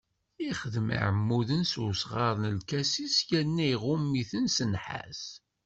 Ixdem iɛmuden s usɣar n lkasis, yerna iɣumm-iten s nnḥas.